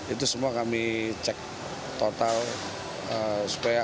itu semua kami cek totalnya